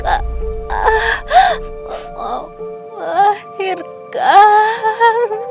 mama mau lahirkan